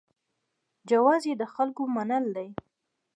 جواز یې د خلکو منل دي.